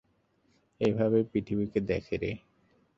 এইভাবেই পৃথিবী দেখে রে!